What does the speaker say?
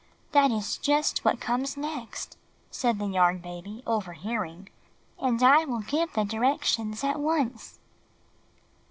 "That is just what comes next," said the Yarn Baby, overhearing, ''and I will give the directions at once.